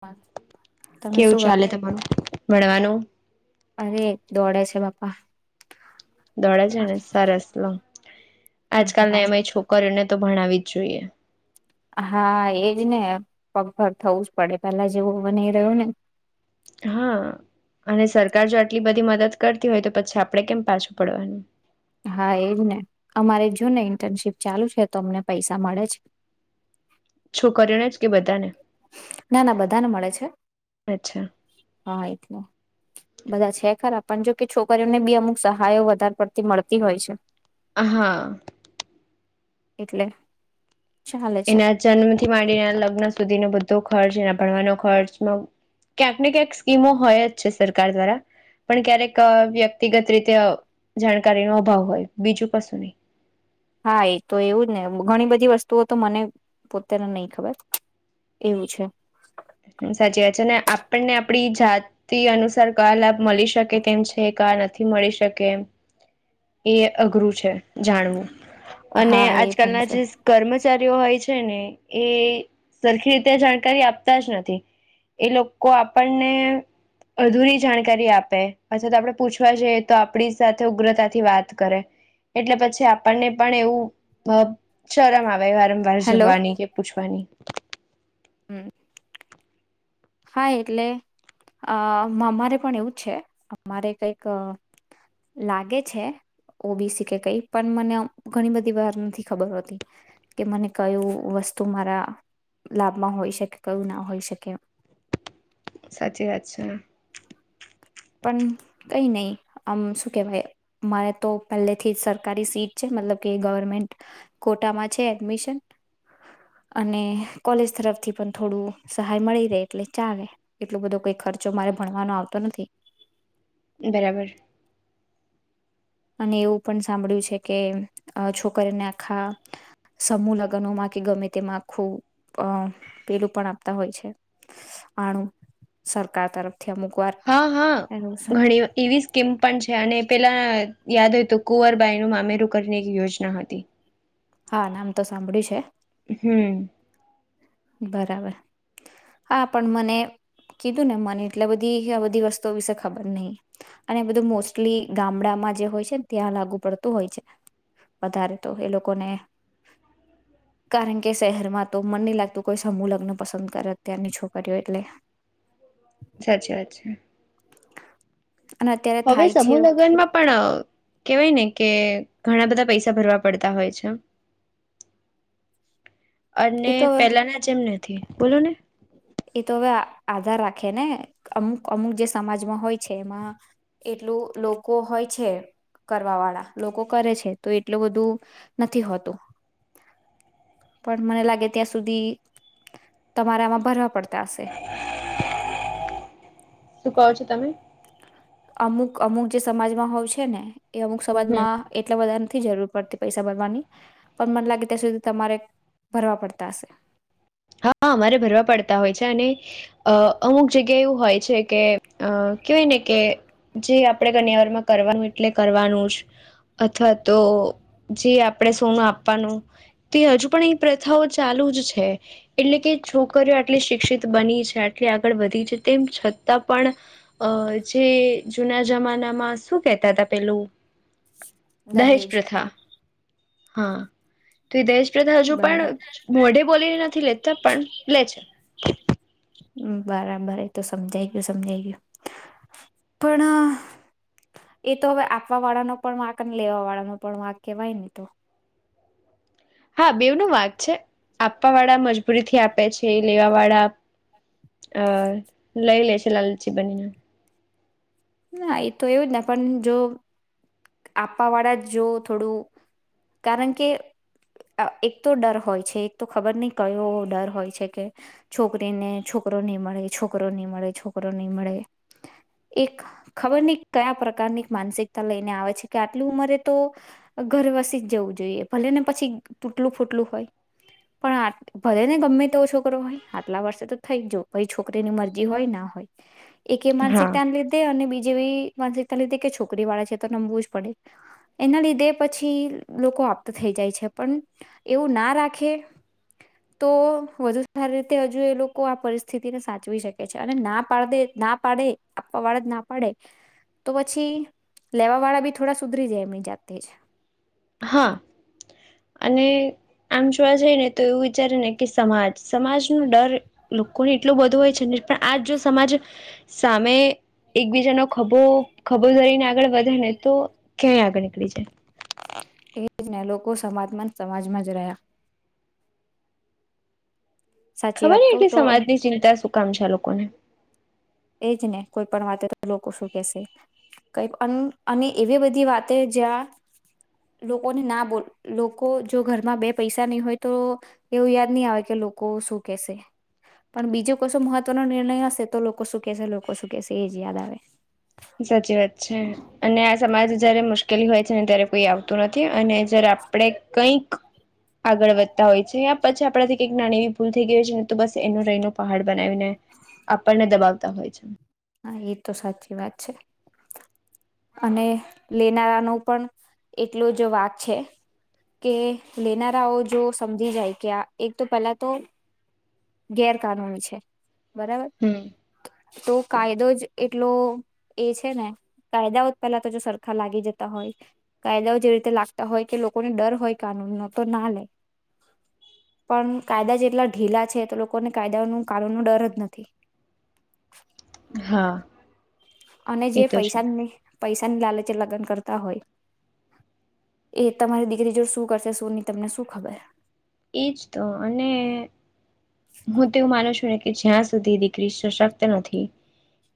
પાચ કેવું ચાલે તમારું ભણવાનું અરે દોડે છે બાપ્પા દોડે છે ને સરસ લો આજકાલને એમાંય છોકરીઓને તો ભણાવી જ જોઈએ હા એજ ને પગભર થવું જ પડે પેલા જેવું હવે રહ્યું ને હા અને સરકાર જો આટલી બધી મદદ કરતી હોય તો પછી આપડે કેમ પાછું પડવાનું હા એજ ને અમારે જો ને ઇન્ટર્નશીપ ચાલુ છે તો અમને પૈસા મળે જ છોકરીઓને જ કે બધાને ના ના બધાને મળે છે અચ્છા હા એટલે બધા છે ખરા પણ જોકે છોકરીઓને બી અમુક સહાયો વધારે પડતી મળ તી હોય છે. હા એટલે ચાલે છે એના જન્મ થી માંડીને લગ્ન સુધી નુ બ્ધ ધો ખર્ચ એ ભણવાનો ખર્ચ ક્યાંકને ક્યાંક સ્કીમો હોય જ છે સરકાર દ્વારા પણ ક્યારેક વ્યક્તિગત રીતે જાણકારીનો અભાવ હોય બીજું કશું નહી હા એ તો એવું જ ને ઘણી બધી વસ્તુઓ તો મને પોતેને નઈ ખબર એવું છે. સાચી વાત છે અને આપણને આપડી જાતિ અનુસાર ક લાભ મળી શકે કેમ છે ક નથી મળી શકે એ એ અઘરું છે જાણવું. અને હા એ પણ આજકાલના છે જે કર્મ [unintelligible] હોય છે ને એ સરખી રીતે જાણકારી આપતા જ ન તી એ લોકો આપણને અધૂરી જાણકારી આપે અથવા તો આપણે પૂછવા જઈએ તો આપડી સાથે ઉગ્રતાથી વાત કરે એટલે પછી આપણને પણ એવું શરમ આ વે વારંવાર હેલો જવાની કે પૂછવાની. હમ. હા એટલે અ અમારે પણ એવું છે અમારે કઈક લાગે છે ઓબીસી કે કઈ પણ મને ઘણી બધી વાર નથી ખબર હોતી કે મને કયું વસ્તુ મારા લાભમાં હોઈ શકે કયું ના હોઈ શકે. સાચી વાત છે ને. પણ કઈ નઈ આમ શું કેવાય મારે તો પહેલેથી સરકારી સીટ છે મતલબ કે ગવર્મેન્ટ કોટામાં છે એડમિશન અને કોલેજ તરફથી પણ થોડું સહાય મળી રહે એટલે ચાલે એટલો બધો કઈ ખર્ચો મારે ભણવાનો આવતો નથી. બરાબર. અને એવું પણ સાંભળ્યું છે કે છોકરીને આખા સમૂહ લગ્નોમાં કે ગમે તેમાં આખું અ પેલું પણ આપતા હોય છે આણું સરકાર તરફ હા હા ઘણી એવી સ્કીમ પણ છે અને પેલા યાદ હોય તો કુંવરબાઈ નું મામેરું કરીને એક યોજના હતી. હા નામ તો સાંભળ્યું છે. હમ. બરાબર હા પણ મને કીધું ને મને એટલે બધી આ બધી વસ્તુઓ વિશે ખબર નહી અને બધું મોસ્ટલી ગામડામાં જે હોય છે ને ત્યાં લાગુ પડતું હોય છે વધારે તો એ લોકોને કારણ કે શહેરમાં તો મન નહી લાગતું કોઈ સમૂહ લગ્ન પસંદ કરે અત્યારની છોકરીઓ એટલે. સાચી વાત છે. અને અત્યારે હવે થાય છે સમૂહ લગ્નમાં પણ કેહેવાય ને. કે ઘણા બધા પૈસા ભરવા પડતા હોય છે. એ અને તો હવે પેલાના જેમ નથી. બોલો ને એ તો હવે આધાર રાખે ને અમુક અમુક જે સમાજમાં હોય છે એમાં એટલું લોકો હોય છે કરવા વાળા લોકો કરે છે તો એટલું બધું નથી હોતું પણ મને લાગે ત્યાં સુધી તમારા માં ભરા પડતાશે. શું કહો છો તમે અમુક અમુક જે સમાજમાં હોય છે ને એ અમુક હમ સવાજમાં એટલા બધા નથી જરૂર. પડતી પૈસા ભરવાની પણ મન લાગે ત્યાં સુધી તમારે ભરવા પડતા હશે. હા અમારે ભરવા પડતા હોય છે અને અ અમુક જગ્યા એવું હોય છે કે અ કેવાય ને કે જે આપડે કન્યાવર માં કરવાનું એટલે કરવાનું જ અથવા તો જે આપડે સોનું આપવાનું તે હજુ પણ એ પ્રથાઓ ચાલુ જ છે. એટલે કે છોકરીઓ આટલી શિક્ષિત બની છે આટલી આગળ વધી છે તેમ છતાં પણ અ જે જુના જમાનામાં શું કેહેતા હતા પેલું. દહેજ પ્રથા. હા તું દેશ તેતો હજુ બરાબર પણ મોઢે બોલીને નથી લેતા પણ લે છે. બરાબર એ તો સમજાઈ ગયું સમજાઈ ગયું પણ એતો હવે આપવા વાળા નો પણ વાક અને લેવા વાળા નો પણ વાક કેવાય ને તો. હા બેવ ન વાક છે આપવા વાળા મજબૂરી થી આપે છે લેવા વાળા અ લઈ લે છે લાલચી બનીને. ના એ તો એવું જ ના પણ જો આપવા વાળા જ જો થોડું કારણ કે એક તો ડર હોય છે એક તો ખબર ની કયો ડર હોય છે કે છોકરીને છોકરો નહી મળે છોકરો નહી મળે છોકરો નહી મળે એક ખબર નહી કા પ્રકારની માનસિકતા લઈને આવે છે કે આટલી ઉંમરે તો ઘર વસી જ જવું જોઈએ ભલે ને પછી તૂટલું ફૂટલું હોય પણ આ ભલે ને ગમે તેવો છોકરો હોય આટલા વર્ષે તો થઈ જ ભાઈ છોકરીની મરજી હોય ના હોય. એક એ હા. માનસિકતાન લીધે અને બી જેવી માનસિકતા લીધે કે છોકરી વાળા છે તો નમવું જ પડે એના લીધે પછી લોકો આપ્ત થઈ જાય છે પણ એવું ના રાખે તો વધુ સારી રીતે હજુ એ લોકો આ પરિસ્થિતિને સાચવી શકે છે અને ના પાડે ના પાડે આપવા વાળા જ ના પડે તો પછી લેવા વાળા બી થોડા સુધરી જાય એમની જાતે જ હા અને આમ જોવા જઈ ને તો એવું વિચારે ને કે સમાજ સમાજ ન ડર લોકોને એટલો બધો હોય છે ને પણ આજ જો સમાજ સામે એકબીજાનો ખભો ખભો ધરીને આગળ વધે ને તો ક્યાંય આગળ નીકળી છે ને લોકો સમાતમાન સમાજમાં જ રહ્યા સાચી ખબર વાત કવ એટલે તો સમાજની ચિંતા શું કામ છે લોકોને એજ ને કોઈ પણ વાતે તો લોકો શું કેશે કઈ અને એવી બધી વાતે જ્યાં લોકોને ના બોલ લોકો જો ઘરમાં બે પૈસા નહી હોય તો એવું યાદ નહી આવે કે લોકો શું કેશે પણ બીજો કશો મહત્વનો નિર્ણય હશે તો લોકો શું કે છે લોકો શું કે છે એ જ યાદ આવે સાચી વાત છે અને આ સમાજ જયારે મુશ્કેલી હોય છે ને ત્યારે કોઈ આવતું નથી અને જ આપણે કઈક આગળ વધતા હોય છે પછી આપણાથી કઈક નાની એવી ભૂલ થઈ ગઈ હોય છે ને તો બસ એનો રહીનો પહાડ બનાવીને આપણને દબાવતા હોય છે હા એ તો સાચી વાત છે અને લેનારાનોો પણ એલો જ વાક છે કે લેનારાઓ જો સમજી જાય કે આ એક તો પેલા તો ગેરકાનૂની છે બરાબર હમ. તો કાયદો જ એટલો એ છે ને કાયદાઓ પેલા તો જો સરખા લાગી જતા હોય કાયદાઓ જે રીતે લાગતા હોય કે લોકોને ડર હોય કાનૂન નો તો ના લે પણ કાયદા જેટલા ઢીલા છે તો લોકોને કાયદા ન કુ ન ડર જ નથી હા અને જે એ તો છે પૈસા ન પૈસાની લાલચે લગ્ન કરતા હોય એ તમારી દીકરી જોડ શું કરશે શું નહી તમને શું ખબર એજ તો અને હું તોવું માનું છું ને કે જ્યાં સુધી દીકરી સશક્ત નથી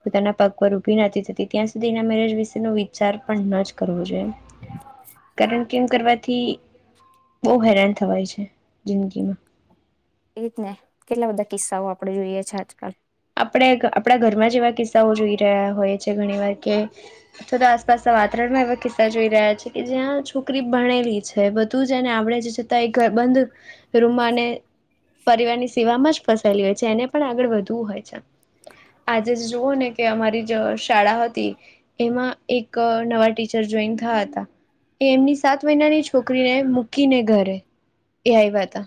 પોતાના પગ પર ઉભી નથી થતી ત્યાં સુધી એના મેરેજ વિશે ન વિચાર પણ ન જ કરવો જોઈએ કરણ કેમ કરવાથી બહ હેરાન થવાય છે જિંદગીમાં એ રીત ને કેટલા બધા કિસ્સાઓ આપડણે જોઈએ છે આજકાલ આપણે આપણા ઘરમાં જ એવા કિસ્સાઓ જોઈ રહ્યા હોય છે ઘણી વાર કે અથવા તો આસપાસના વાતાવરણમાં એવા કિસ્સા જોઈ રહ્યા છે કે જ્યાં છોકરી ભણેલી છે બધું જને આપણે જે છતાં એ બંધ રૂમમાં અને પરિવારની સેમાં જ ફસાયેલી હોય છે એને પણ આગળ વધવું હોય આજે જ જોુવો ને કે અમારી શાળા હતી એમાં એક નવા ટીચર જોઈન થયા હતા એ એમની સાત મહિનાની છોકરીને મૂકીને ઘરે એ આવ્યા હતા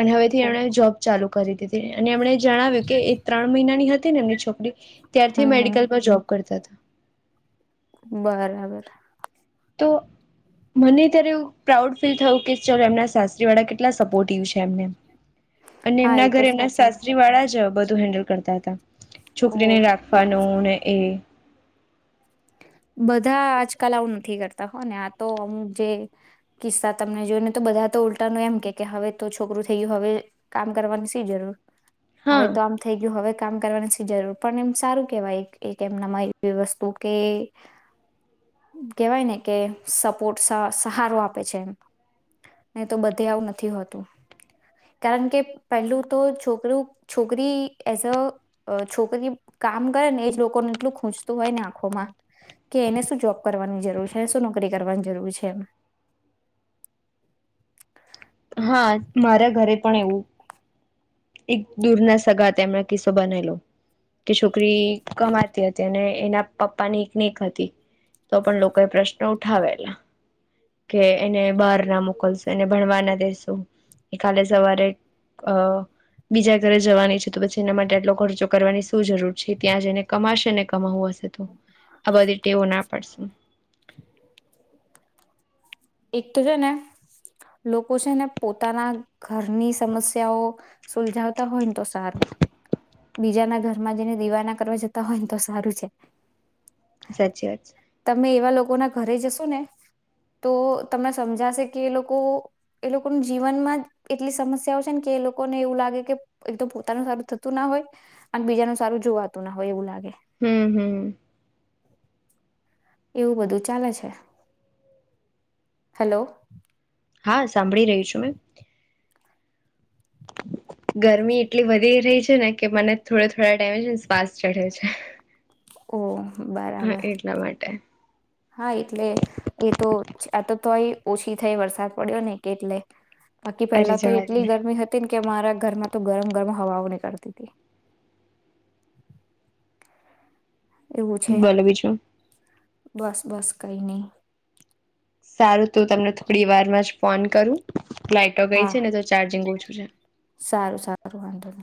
અને હવે થી એમણે જોબ ચાલુ કરી દીધી અને એમણે જણાવ્યું કે એ ત્રણ મહિનાની હતી એમની છોકરી ત્યારથી હમ મેડિકલમાં જોબ કરતા હતા બરાબર તો મને ત્યારેવ પ્રાઉડ ફીલ થયું કે ચાલ એમના શસ્ત્રી વાળા કેટલા સપોર્ટિવ છે એમને અને હા એમના એ તો ઘરે એમના સાચી સાસ્રી વાળા જ બધું હેન્ડલ કરતા હતા ઓ છોકરી ને રાખવાની નૂન એ બધા આજકાલ આવું નથી કરતા હો ને આ તો અમુંક જે કિસ્સા તમને જોયને તો બધા તો ઉલટાનું એમ કે હવે તો છોકરું થઈ ગયું હવે કામ કરવાની સી જરૂર હવે હા તો આમ થઈ ગયું હવે કામ કરવાની જરૂર પણ એમ સારું કેવાય એમનામાં એ વસ્તુ કે કેહેવાય ને કે સપોર્ટ સહારો આપે છે એમ ને તો બધે આવું નથી હોતું કારણ કે પહેલું તો છોકરું છોકરી એઝ અ છોકરી કામ કરે ને એજ લોકોને એટલું ખૂંચતું હોય ને કે એને શું જોબ કરવાની જરૂર છે શું નોકરી કરવાની જરૂર છે એ હા મારા ઘરે પણ એવું એક દૂર ના સગા તેમ એમણે કિસ્સો બનેલો કે છોકરી કમાતી હતી અને એના પપ્પાની એક ક હતી તો પણ લોકોએ પ્રશ્ન ઉઠાવેલા કે એને બહાર ના મોકલશે એને ભણવાના કાલે સવારે અ બીજા ઘરે જવાની છે તો પછી એના માટે આટલો ખર્ચો કરવાની શું જરૂર છે ત્યાં જઈને કમાશે ને કમાવું હ આ બતેટેવના પારશે એક તો છે ને લોકો છે ને પોતાના ઘરની સમસ્યાઓ સુલજાવતા હોય ને તો સારું બીજાના ઘરમાં જઈને દિવાના કરવા જતા હોય ને તો સારું છે સાચી વાત છે તમે એવા લોકોના ઘરે જશો ને તો તમને સમજાશે કે એ લોકો એ લોકોનું જીવનમાં એટલી સમસ્યાઓ છે ને કે એ લોકોને એવું લાગે કે એકદમ પોતાનું સારું થતું ના હોય અને બીજાનું સારું જોવાતું ના હોય એવું લાગે હમ હમ એવું બધું ચાલે છે હેલો હા સાંભળી રહી છું મેં ગરમી એટલી વધી રહી છે ને કે મને થોડા થોડા ટાઈમે છે ને શ્વાસ ચઢે છે ઓ હા બરાબર એટલા માટે હા એટલે એ તો આ તો તોય ઓછી થઈ વરસાદ પડ્યો ને કેટલે બાકી અરે પેલા તો જવા એટલી દને ગરમી હતી ને કે અમારા ઘરમાં તો ગરમ ગરમ હવાઓ નીકળતી હતી એવું છે ભલો બી છો બસ બસ કઈ નહી સારું તો તમને થોડી વારમાં જ ફોન કરું લાઈટો ગઈ હા છે ને તો ચાર્જિંગ ઓછું છે સારું સારું વાંધો નહી.